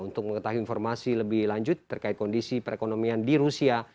untuk mengetahui informasi lebih lanjut terkait kondisi perekonomian di rusia